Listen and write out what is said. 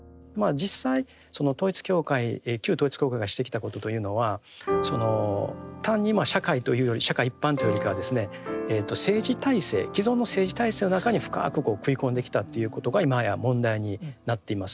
実際その統一教会旧統一教会がしてきたことというのはその単にまあ社会というより社会一般というよりかはですね政治体制既存の政治体制の中に深くこう食い込んできたっていうことが今や問題になっています。